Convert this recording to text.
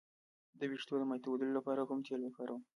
د ویښتو د ماتیدو لپاره کوم تېل وکاروم؟